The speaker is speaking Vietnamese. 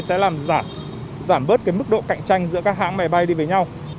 sẽ làm giảm bớt cái mức độ cạnh tranh giữa các hãng máy bay đi với nhau